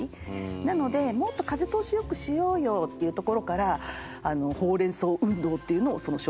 なので「もっと風通しを良くしようよ」っていうところからほうれんそう運動っていうのをその証券会社で始めた。